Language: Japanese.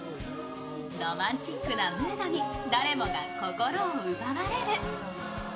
ロマンチックなムードに誰もが心を奪われる。